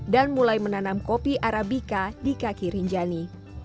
mulai menanam kopi arabica di kaki rinjani